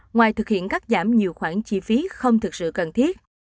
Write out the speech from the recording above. ngoài thực hiện cắt giảm nhiều khoản chi phí không thực sự cần thiết